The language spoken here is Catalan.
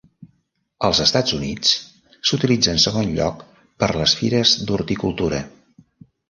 Als Estats Units, s'utilitza en segon lloc per les fires d'horticultura.